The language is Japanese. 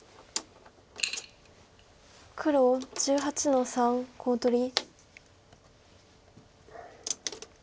黒１８の三コウ取り。